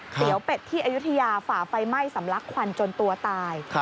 เตี๋ยวเป็ดที่อายุทยาฝ่าไฟไหม้สำลักควันจนตัวตาย